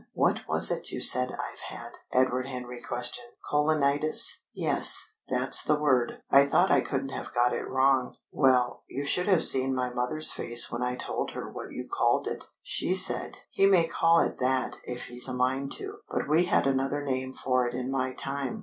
"What was it you said I've had?" Edward Henry questioned. "Colonitis." "Yes, that's the word. I thought I couldn't have got it wrong. Well, you should have seen my mother's face when I told her what you called it. She said, 'He may call it that if he's a mind to, but we had another name for it in my time.